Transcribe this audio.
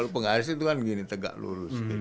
pengaris itu kan begini tegak lurus